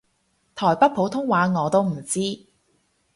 台北普通話我都唔知